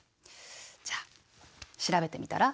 じゃあ調べてみたら？